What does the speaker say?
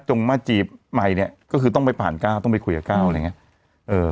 จงมาจีบใหม่เนี้ยก็คือต้องไปผ่านก้าวต้องไปคุยกับก้าวอะไรอย่างเงี้ย